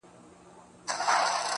گــــوره زمــا د زړه ســـكــــونـــــه.